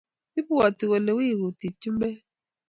Ibwoti kole wiy kutitab chumbek